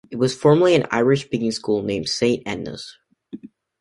It was formerly an Irish speaking school named Saint Enda's.